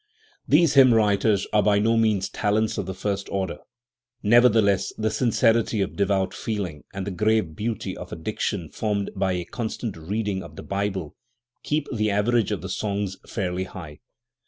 These hymn writers are by no means talents of the first order, Nevertheless the sincerity of devout feeling and the grave beauty of a diction formed by a constant reading of the Bible keep the average of the songs fairly high.